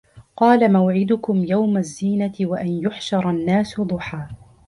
قال موعدكم يوم الزينة وأن يحشر الناس ضحى